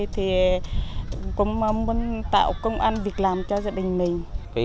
thì cũng muốn tạo công ăn việc làm cho gia đình mình